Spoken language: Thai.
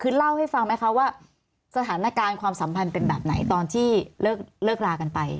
คือเล่าให้ฟังไหมคะว่าสถานการณ์ความสัมพันธ์เป็นแบบไหนตอนที่เลิกลากันไป